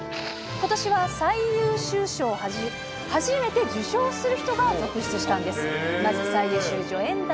ことしは最優秀賞を初めて受賞する人が続出したんです。